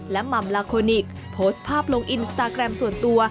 หม่ำลาโคนิกโพสต์ภาพลงอินสตาแกรมส่วนตัว